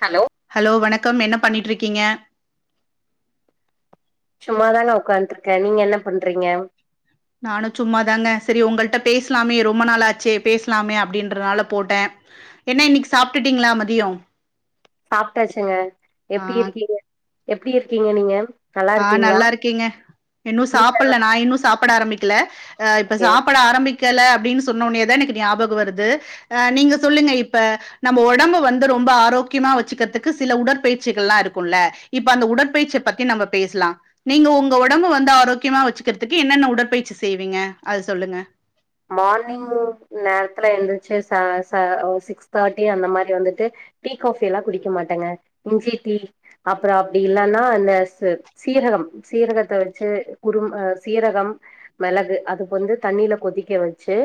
Hello hello வணக்கம் என்ன பண்ணிட்ருக்கிங்க சும்மாதாங்க உக்காந்துருக்கே நீங்க என்ன பண்றீங்க நானு சும்மாதாங்க சரி உங்கள்ட்ட பேசலாமே ரொம்ப நாளாச்சே பேசலாமே அப்டின்றனால போட்ட என்ன இன்னக்கி சாப்ட்டுட்டீங்ளா மதியோ சாப்ட்டாச்சுங்க ஆ எப்டி இருக்கீங்க எப்டி இருக்கீங்க நீங்க நல்லா ஆ இருக்கீங்களா நல்லா இருக்கேங்க இன்னு வீட்ல சாப்பில்ல நா இன்னு சாப்பட ஆரபிக்கல இப்போ ஓகே சாப்பட ஆரபிக்கல அப்டின்னு சொன்ன ஒடனே தா எனக்கு ஞாபகோ வருது அ நீங்க சொல்லுங்க இப்ப நம்ம ஒடம்பு வந்து ரொம்ப ஆரோக்கியமா வச்சுக்கிறதுக்கு சில உடற்பயிற்சிகள்ல்லா இருக்குல்ல இப்ப அந்த உடற்பயிற்சிய பத்தி நம்ம பேசலா நீங்க உங்க ஒடம்ப வந்து ஆரோக்கியமா வச்சுக்கிறதுக்கு என்னென்ன உடற்பயிற்சி செய்வீங்க அத சொல்லுங்க மார்னிங் நேரத்துல எந்துருச்சு ச ச ஒ சிக்ஸ் தேர்ட்டி அந்த மாரி வந்துட்டு டீ காஃபில்லா குடிக்க மாட்டேங்க இஞ்சி டீ அப்றோ அப்டி இல்லனா நேசர் சீரகம் சீரகத்த வச்சு குறு அ சீரகம் மிளகு அதுக்கு வந்து தண்ணியில கொதிக் க வச்சு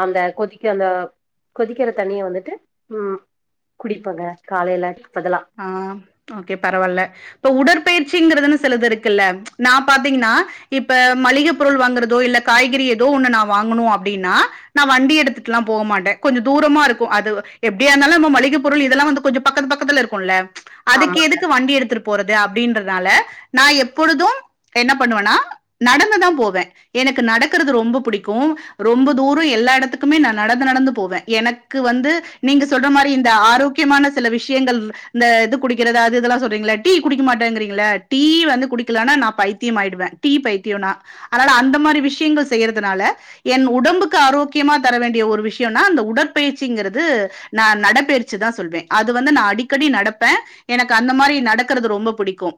அந்த கொதிக்க அந்த கொதிக்கிற தண்ணிய வந்துட்டு ம் குடிப்பங்க காலையில டீக்கு பதிலா ஆ ஓகே பரவால்ல ப்ப உடற்பயிற்சிங்கறிதுன்னு சிலது இருக்குல்ல நா பாத்தீங்ன்னா இப்ப மளிக பொருள் வாங்குறதோ இல்ல காய்கறி ஏதோ ஒண்ணு நா வாங்கனு அப்டின்னா நா வண்டி எடுத்துட்லா போக மாட்டே கொஞ்சோ தூரமா இருக்கு அது எப்டியா இருந்தாலு நம்ம மளிக பொருள் இதெல்லா வந்து கொஞ்சோ பக்கத் பக்கத்துல இருக் குல்ல அதுக்கு ஆமாங்க. எதுக்கு வண்டி எடுத்துட்டு போறது அப்டின்றதுனால நா எப்பொழுது என்ன பண்ணுவன்னா நடந்துதா போவே எனக்கு நடக்றது ரொம்ப புடிக்கு ரொம்ப தூரோ எல்லா எடத்துக்குமே நா நடந்து நடந்து போவே எனக்கு வந்து நீங்க சொல்ற மாரி இந்த ஆரோக் கியமான சில விஷ்யங்கள் இந்த இது குடிக்கிறது அது இதெல்லா சொல்றீங்ள டீ குடிக்க மாட்டேங்றீங்ள டீ வந்து குடிக்கலானா நா பைத்தியமாயிடுவ டீ பைத்தியோ நா அதனால அந்த மாரி விஷ்யங்கள் செய்யறதுனால என் உடம்புக்கு ஆரோக்கியமா தர வேண்டிய ஒரு விஷ்யொன்னா அந்த உடற்பயிற்சிங்கிறது நா நடபெயற்சி தா சொல்வே அது வந்து நா அடிக் கடி நடப்பே எனக்கு அந்த மாரி நடக்குறது ரொம்ப புடிக்கு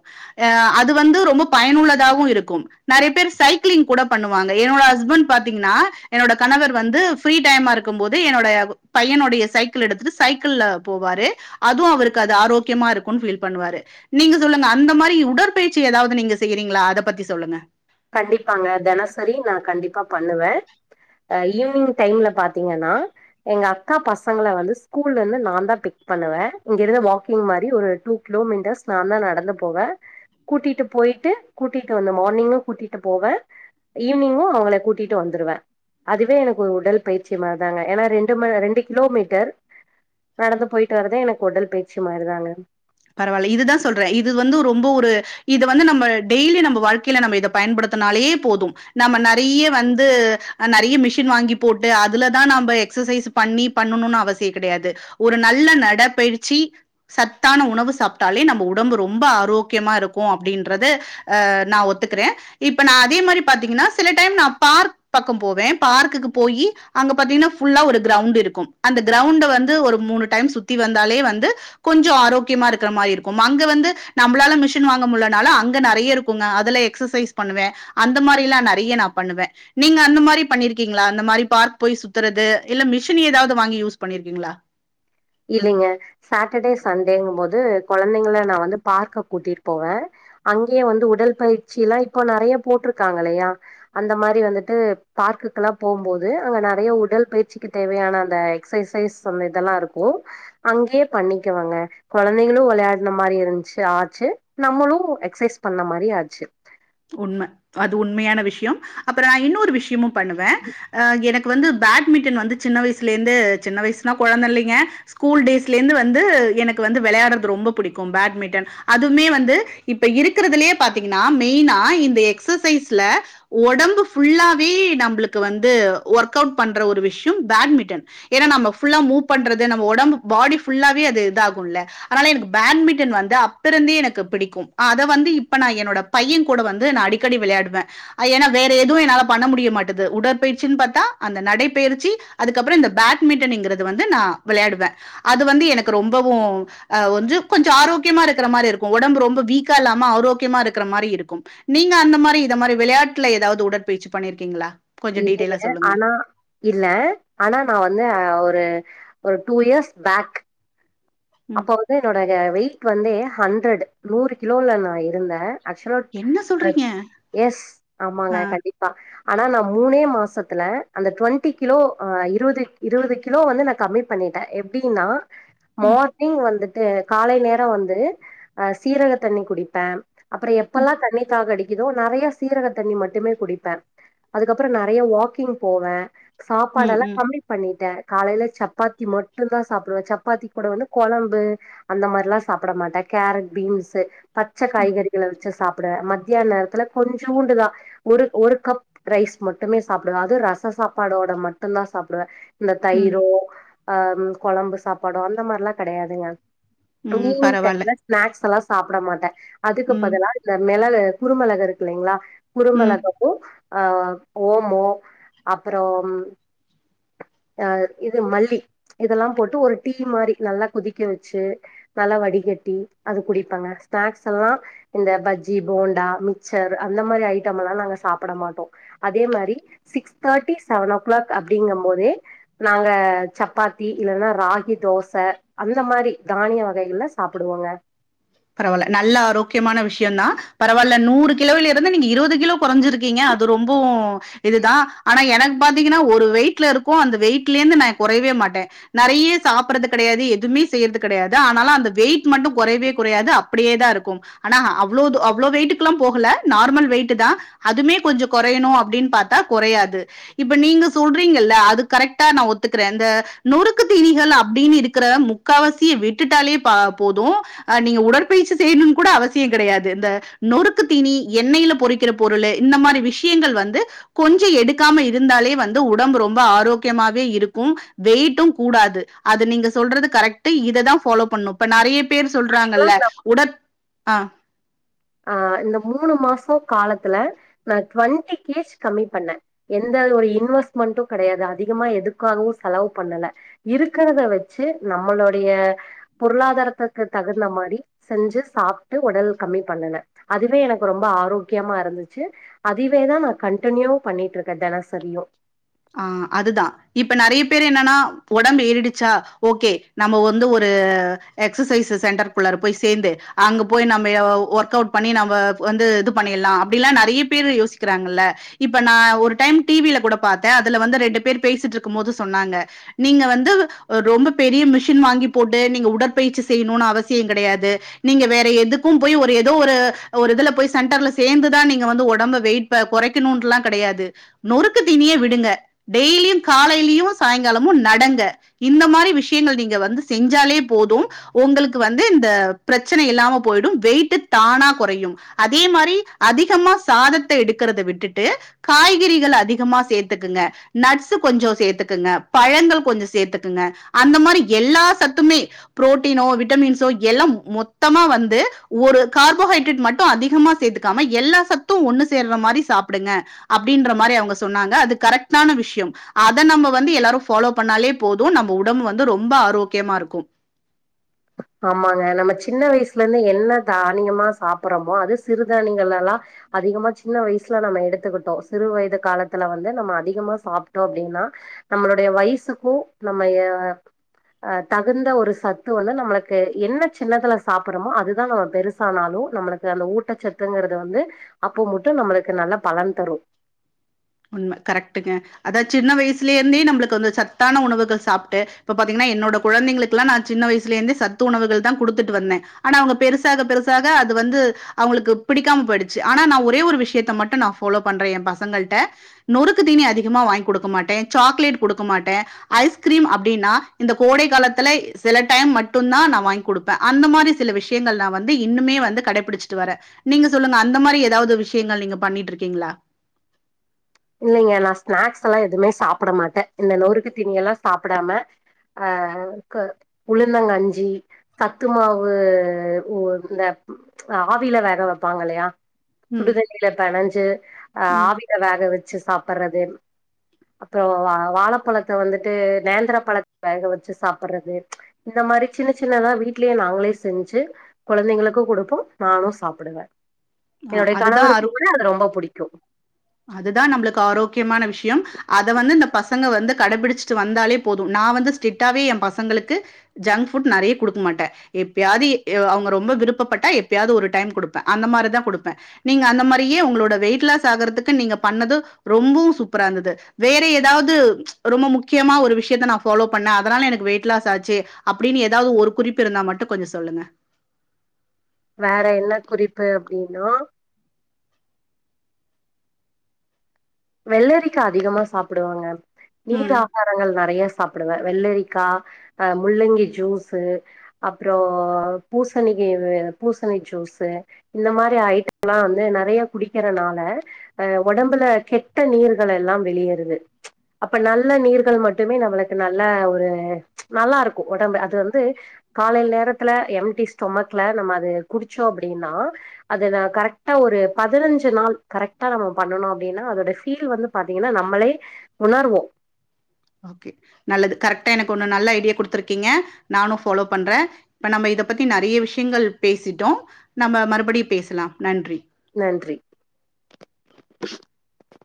அ அது வந்து ரொம்ப பயனுள்ளதாவு இருக்கு நறைய பேரு சைக்ளிங் கூட பண்ணுவாங்க என்னோட ஹஸ்பண்ட் பாத்தீங்ன்னா என்னோட கணவர் வந்து ஃப்ரீ டைமா இருக்குபோது என்னோட பையனுடைய சைக்கிள் எடுத்துட்டு சைக்கிள்ல போவாரு அதுவு அவருக் கு அது ஆரோக்யமா இருக்குன் ஃபீல் பண்ணுவாரு நீங்க சொல்லுங்க அந்த மாரி உடற்பயிற்சி ஏதாவது நீங்க செய்றீங்களா அத பத்தி சொல்லுங்க கண்டிப்பாங்க தெனசரி நா கண்டிப்பா பண்ணுவே அ ஈவினிங் டைம்ல பாத்தீங்கன்னா எங்க அக்கா பசங்கள வந்து ஸ்கூல்ல இருந்து நா தா பிக் பண்ணுவே இங்க இருந்து வாக்கிங் மாரி ஒரு டூ கிலோ மீட்டர்ஸ் நா தா நடந்து போவே கூட்டிட்டு போயிட்டு கூட்டிட்டு வந்த மார்னிங்கு கூட்டிட்டு போவே ஈவினிங்கு அவங்கள கூட்டிட்டு வந்துருவே அதுவே எனக்கு ஒரு உடல் பயிற்சி மாரிதாங்க ஏனா ரெண்டு ம ரெண்டு கிலோ மீட்டர் நடந்து போயிட்டு வரதே எனக்கு உடல் பயிர்ச்சி மாரிதாங்க பரவால்ல இதுதா சொல்றே இது வந்து ரொம்போ ஒரு இது வந்து நம்ம டெய்லி நம்ப வாழ்க்கைல நம்ம இத பயன்படுத்துனாலே போதும் நம்ம நறைய வந்து நறைய மிஷின் வாங்கி போட்டு அதுலதா நாம்ப எக்ஸசைஸ்சு பண்ணி பண்ணுனுனு அவசிய கிடையாது ஒரு நல்ல நட பயிற்சி சத்தான ஒ உணவு சாப்ட்டாலே நம்ப உடம்பு ரொம்ப ஆரோக்கியமா இருக்கு அப்டின்றது அ நா ஒத்துக்றே இப்ப நா அதே மாரி பாத்தீங்ன்னா சில டைம் நா பார்க் பக்கம் போவேன் பார்க்குக்கு போயி அங்க பாத்தீங்ன்னா ஃபுல்லா ஒரு க்ரௌண்ட் இருக்கு அந்த க்ரௌண்ட வந்து ஒரு மூணு டைம் சுத்தி வந்தாலே வந்து கொஞ்சோ ஆரோக் கியமா இருக்கற மாரி இருக்கு அங்க வந்து நம்ப்ளால மிஷின் வாங்க முடிலனால அங்க நறைய இருக்குங்க அதுல எக்ஸசைஸ் பண்ணுவே அந்த மாரிலா நறைய நா பண்ணுவே நீங்க அந்த மாரி பண்ணிர்க்கீங்ளா அந்த மாரி பார்க் போய் சுத்துறது இல்ல மிஷின் ஏதாவது வாங்கி யூஸ் பண்ணிருக்கீங்ளா இல்லைங்க சாட்டர்டே சண்டேங்கு போது கொளந்தைங்கல நா வந்து பார்க்க கூட்டிட்டு போவே அங்கேயே வந்து உடல் பயிற்சிலா இப்ப நறைய போட்ருக்காங்கலயா அந்த மாரி வந்துட்டு பார்க்குக்கெலா போம்போது அங்க நறைய உடல் பயிற்சிக்கு தேவையான அந்த எக்சசைஸ் சொல்லி இதெல்லா இருக்கு அங்யே பண்ணிக்குவாங்க கொழந்தைகளு வெளையாட்ன மாரி இருந்ச்சு ஆச்சு நம்மளு எக்சைஸ் பண்ண மாரியு ஆச்சு உண்ம அது உண்மயான விஷ்யோ அப்புற இன்னொரு விஷ்யமு பண்ணுவே அ எனக் கு வந்து பேட்மிட்டன் வந்து சின்ன வயசுலேர்ந்து சின்ன வய்ஸ்னா கொழந்த இல்லைங்க ஸ்கூல் டேஸ்ல இருந்து வந்து எனக்கு வந்து வெளையாடுறது ரொம்ப புடிக்கு பேட்மிண்டன் அதுமே வந்து இப்ப இருக்கறதுலயே பாத்தீங்கன்னா மெயினா இந்த எக்ஸசைஸ்ல ஒடம்பு ஃபுல்லாவே நம்ப்ளுக்கு வந்து ஒர்க் அவுட் பண்ற ஒரு விஷ்யம் பேட்மிண்டன் ஏனா நம்ம ஃபுல்லா மூவ் பண்றது நம்ம ஓடம்பு பாடி ஃபுல்லாவே அது இது ஆகுல்ல அதனால எனக்கு பேட்மிட்டன் வந்து அப்பருந்து எனக்கு பிடிக்கும் ஆ அத வந்து இப்ப நா என்னோட பையன் கூட வந்து நா அடிக்கடி விளையாடுவன் ஏனா வேற எதுவும் என்னால பண்ண முடிய மாட்டது உடற்பயிற்சின் பாத்தா அந்த நடைப்பயிற்சி அதுக்கப்புறம் இந்த பேட்மிண்டன்ங்கிறது வந்து நா விளையாடுவே அது வந்து எனக்கு ரொம்பவும் ஆ வந்து கொஞ்சம் ஆரோக்கியமா இருக்கற மாரி இருக்கும் ஒடம்பு ரொம்ப வீக்கா இல்லாம ஆரோக்கியமா இருக் கிற மாரி இருக்கும் நீங்க அந்த மாரி இத மாரி விளையாட்டுல எதாவது உடற்பயிற்சி பண்ணிருக்கீங்களா கொஞ்சம் டீட்டெயிலா இல்லங்க சொல்லுங்க ஆனா இல்ல ஆனா நா வந்து ஒரு ஒரு டூ இயர்ஸ் பேக் ம் அப்போ வந்து என்னோட வெயிட் வந்தே ஹண்டரட் நூறு கிலோல நா இருந்தன் ஆக்சுவலா என்ன சொல்றீங்க எஸ் ஆமாங்க ஆ, கண்டிப் பா ஆனா நா மூனே மாசத்துல அந்த டுவண்ட்டி கிலோ ஆ இருவது இருவது கிலோ வந்து நா கம்மி பண்ணிட்டே எப்டின்னா ம் மார்னிங் வந்துட்டு காலை நேரம் வந்து அ சீரக தண்ணி குடிப்பன் அப்புறம் ம் எப்பல்லா தண்ணி தாகடிக் கிதோ நறையா சீரக தண்ணி மட்டுமே குடிப்ப அதுக்கப்புறம் நறையா வாக்கிங் போவ சாப்பாடு ம் எல்லா ம் கம்மி பண்ணிட்டே காலையில சப்பாத்தி மட்டுந்தான் சாப்டுவன் சப்பாத்தி கூட வந்து கொழம்பு அந்த மாரிலா சாப்ட மாட்டன் கேரட் பீன்ஸ்ஸு பச்ச காய்கறிகள வச்சி சாப் பிட மத்தியான நேரத்துல கொஞ்சோண்டுதா ஒரு ஒரு கப் ரைஸ் மட்டுமே சாப்புடுவே அது ரச சாப்பாடோட மட்டுந்தான் சாப்புடுவன் இந்த ம் தயிரோ ஆ கொழம்பு சாப்பாடோ அந்த மாரிலா கெடையாதுங்க ம் ஈவினிங் பரவாயில்ல டைம்ல ஸ்நாக்ஸ் எல்லா சாப்ட மாட்ட அதுக்கு ம் பதிலா இந்த மெளகு குருமெளகு இருக்கு இல்லலைங்களா குருமெள ம். கு ஆ ஓமோ அப்பறம் ஆ இது மல்லி இதெல்லாம் ஒரு டீ மாரி நல்லா கொதிக்க வச்சி நல்லா வடிகட்டி அது குடிப்பங்க ஸ்நாக்ஸ் எல்லா இந்த பஜ்ஜி போண்டா மிச்சர் அந்த மாரி ஐட்டம்லா நாங்க சாப்ட மாட்டோம் அதே மாரி six thirty seven o'clock அப்டிங்க மோதே நாங்க சப்பாத்தி இல்லனா ராகி தோச அந்த மாரி தானிய வகைகள்ல சாப்புடுவோங்க பரவால்ல நல்ல ஆரோக்கியமான விஷியந்தா பரவால்ல நூறு கிலோவில இருந்து நீங்க இருவது கிலோ கொறஞ்சிருக்கீங்க அது ரொம்பவு இதுதா ஆனா எனக்கு பாத்தீங்கன்னா ஒரு வெயிட்ல இருக்கும் அந்த வெயிட்லிந்து நா கொறயவே மாட்ட நறையா சாப்பறது கெடையாது எதுமே செய்யறது கெடையாது ஆனாலு அந்த வெயிட்டு மட்டும் கொறைவே குறையாது அப்டியே தா இருக்கும் ஆனா அவ்ளோது அவ்ளோ வெயிட்டுக்குல்லா போகல நார்மல் வெயிட்டு தா அதுமே கொஞ்சம் கொறையணும் அப்டின் பாத்தா கொறையாது இப்ப நீங்க சொல்றீங்கல்ல அது கரெக்ட்டா நா ஒத்துக்கிறன் இந்த நொறுக்கு தீணிகள் அப்டின்னு இருக்கறதா முக் காவாசிய விட்டுட்டாலே பா போதும் ஆ நீங்க உடற்பயிற்சி செய்னுன்னு கூட அவசியம் கெடயாது இந்த நொறுக்கு தீனி எண்ணையில பொறிக் கிற பொருளு இந்த மாரி விஷியங்கள் வந்து கொஞ்சம் எடுக்காம இருந்தாலே வந்து உடம்பு ரொம்ப ஆரோக்கியமாவே இருக்கும் வெயிட்டும் கூடாது அது நீங்க சொல்றது கரெக்ட்டு இத தா ஃபாலோ பண்ணும் இப்ப நறையா பேர் சொல்றாங்க ஆக்சுவலா இல்ல நா உடற் ஆ அ இந்த மூணு மாசம் காலத்துல நா டுவண்ட்டி கேஜ் கம்மி பண்ண எந்த ஒரு இன்வெஸ்ட்மெண்ட்டும் கெடயாது அதிகமா எதுக்காகவு செலவு பண்ணல இருக்கறத வச்சு நம்மளுடைய பொருளாதாரத்துக்கு தகுந்த மாதிரி செஞ்சு சாப்ட்டு உடல் கம்மி பண்ணுன அதுவே எனக்கு ரொம்ப ஆரோக்கியமா இருந்துச்சு அதுவே தா நா கண்டனியூ பண்ணிட்டு இருக்க தினசரியு ஆ அதுதா இப்ப நெறைய பேர் என்னன்னா ஒடம்பு ஏறிடுச்சா ஓகே நம்ம வந்து ஒரு எக்ஸசைஸ் சென்டருக்குள்ள போய் சேந்து அங்க போய் நம்ம ஒர்க் அவுட் பண்ணி நம்ப வந்து இது பண்ணிடலா அப்டில்லா நெறைய பேர் யோசிக்கிறாங்கள இப்ப நா ஒரு டைம் டிவில கூட பாத்த அதுல வந்து ரெண்டு பேர் பேசிட்டு இருக்கும் போது சொன்னாங்க நீங்க வந்து ரொம்ப பெரிய மிஷின் வாங்கி போட்டு நீங்க உடற்பயிற்சி செய்யணும்னு அவசிய கெடயாது நீங்க வேற எதுக்கும் போய் ஒரு ஏதோ ஒரு ஒரு இதுல போய் சென்டர்ல சேந்துதா நீங்க வந்து உடம்ப வெயிட் இப்ப குறைக்கணும்னு எல்லா கெடையாது நொறுக்கு தீனிய விடுங்க டெய்லியும் காலையிலயு சாயங்காலமும் நடங்க இந்த மாதிரி விஷயங்கள் நீங்க வந்து செஞ்சாலே போதும் உங்களுக்கு வந்து இந்த பிரச்சன இல்லாம போயிடும் வெயிட் தானா கொறையு அதே மாரி அதிகமா சாதத்த எடுக்கிறத விட்டுட்டு காய்கறிகள் அதி கமா சேத்துக்குங்க நட்ஸு கொஞ்ச சேத்துக்குங்க பழங்கள் கொஞ்ச சேத்துக்குங்க அந்த மாரி எல்லா சத்துமே புரோட்டீனோ விட்டமின்ஸோ எல்லா மொத்தமா வந்து ஒரு கார்போஹைட்ரேட் மட்டும் அதிகமாக சேத்து க்காம எல்லா சத்தும் ஒன்னு சேர்ற மாரி சாப்டுங்க அப்டின்ற மாதிரி அவுங்க சொன்னாங்க அது கரெக்டான விஷயம் அத நம்ம வந்து எல்லாரும் ஃபாலோ பண்ணாலே போதும் நம்ம உடம்பு வந்து ரொம்ப ஆரோக்கியமா இருக்கும் ஆமாங்க நம்ம சின்ன வயசுல இருந்து என்ன தானியமா சாப்புறோமோ அது சிறுதானியங்கள் எல்லா அதிகமா சின்ன வயசுல நம்ம எடுத்துக்கிட்டோ சிறு வயது காலத்துல வந்து நம்ம அதிகமா சாப்ட்டோ அப்டின்னா நம்மளுடைய வயசுக்கும் நம்ம அ தகுந்த ஒரு சத்து வந்து நம்ம என்ன சின்னதுல சாப்புறமோ அதுதா நம்ம பெருசானாலு நம்மளுக்கு அந்த ஊட்டச்சத்துங்கறது வந்து அப்போ மட்டும் நம்மளுக்கு நல்லா பலன் தரு உண்ம கரெக்டுங்க அத சின்ன வயசுல இருந்தே நம்ளுக்கு வந்து சத்தான உணவுகள் சாப்ட்டு இப்ப பாத்தீங்கன்னா என்னோட குழந்தைங்களுக்கு இப்பல்லா நா சின்ன வயசுல இருந்தே சத்து உணவுகள் தா கொடுத்துட்டு வந்த ஆனா அவங்க பெருசாக பெருசாக அது வந்து அவங்களுக்கு பிடிக்காம போயிடுச்சு அவுங்களுக்கு பிடிக்காம போயிடுச்சி ஆனா நா ஒரே ஒரு விஷயத்த மட்டும் நா ஃபாலோ பண்ற எய பசங்கள்ட நொறுக்கு தீனி அதிகமா வாங்கிக் கொடுக்க மாட்ட சாக்லேட் கொடுக்க மாட்ட ஐஸ்கிரீம் அப்டின்னா இந்த கோடை காலத்துல சில டைம் மட்டும் தா நா வாங்கி் குடுப் அந்த மாரி சில விஷயங்கள் நா வந்து இன்னுமே வந்து கடைபிடிச்சிட்டு வர நீங்க சொல்லுங்க அந்த மாரி ஏதாது விஷயங்கள் நீங்க பண்ணிட்டு இருக்கீங்களா இல்லிங்க நா ஸ்நாக்ஸ்லா எதுமே சாப்ட மாட்ட இந்த நொறுக்கு தீனியெல்லா சாப்டாம அ க உளுந்தங்கஞ்சி சத்துமாவு உ இந்த ஆவில வேக வைப்பாங்க இல்லயா ம், சுடுதண்ணில பெனைஞ்சு அ ம். ஆவில வேக வச்சு சாப்டறது அப்பறொ வா வாழப்பழத்த வந்துட்டு நேந்திரப்பழத்த வேக வச்சு சாப்டறது இந்த மாரி சின்ன சின்னதா வீட்லே நாங்களே செஞ்சி கொழந்தைங்களுக்கு குடுப்ப நானூ சாப்டுவ ஆ என்னுடைய அதுதா கணவருக்கு அரு கூட அது ரொம்ப புடிக்கு அதுதா நம்ளுக்கு ஆரோக்கியமான விஷயம் அத வந்து இந்த பசங்க வந்து கடைபிடிச்சிட்டு வந்தாலே போது நா வந்து ஸ்டிட்டாவே எய பசங்களுக்கு ஜங்க் ஃபுட் நறைய குடுக்க மாட்டே எப்பயாது அவுங்க ரொம்ப விருப்பப்பட்டா எப்பயாது ஒரு டைம் குடுப்ப அந்த மாரிதா குடுப்பே நீங்க அந்த மாரியே உங்களோட வெயிட் லாஸ் ஆகறதுக் கு நீங்க பண்ணது ரொம்பவு சூப்பரா இருந்தது வேற ஏதாவது ரொம்ப முக்கியமா ஒரு விஷயத்த நா ஃபாலோ பண்ணே அதனால எனக்கு வெயிட் லாஸ் ஆச்சு அப்டின்னு ஏதாது ஒரு குறிப் பு இருந்தா மட்டு கொஞ்ச சொல்லுங்க வேற என்ன குறிப்பு அப்டின்னா வெள்ளேரிக்கா அதிகமா சாப்டுவங்க ம் நீர் ஆக ரங்கள் நெறைய சாப்டுவே வெள்ளரிக்கா அ முள்ளங்கி ஜூஸு அப்றோ பூசணிக் இது பூசணி ஜூஸு இந்த மாரி ஐட்டம்லா வந்து நெறைய குடிக்கிறனால அ ஒடம்புல கெட் டட நீர்கள் எல்லாம் வெளியேறுது அப்ப நல்ல நீர்கள் மட்டுமே நம்மளுக்கு நல்ல ஒரு நல்லாருக்கு ஒடம்பு அது வந்து காலைல் நேரத்துல எம்டி ஸ்டொமக்ல நம்ம அது குடிச்சோ அப்டின்னா அது நா கரெக்டா ஒரு பதினஞ்சு நாள் கரெக்டா நம்ம பண்ணனு அப்டின்னா அதோட ஃபீல் வந்து பாத்தீங்கனா நம்மளே உணருவோ ஓகே நல்லது கரெக்டா எனக்கு ஒன்னு நல்ல ஐடியா குடுத்துருக்கீங்க நானு ஃபாலோ பண்றே இப்ப நம்ம இத பத்தி நறைய விஷயங்கள் பேசிட்டோ நம்ம மறுபடியு பேசலா நன்றி நன்றி